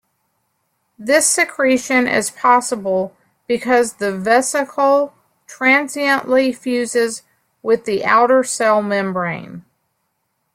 This secretion is possible because the vesicle transiently fuses with the outer cell membrane.